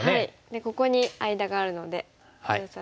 ここに間があるので封鎖して。